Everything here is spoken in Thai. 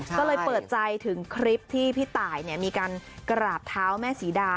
ก็เลยเปิดใจถึงคลิปที่พี่ตายมีการกราบเท้าแม่ศรีดา